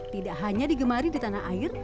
tidak hanya digemari di tanah air